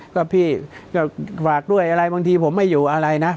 ก็พี่ก็ฝากด้วยอะไรบางทีผมไม่อยู่อะไรนะ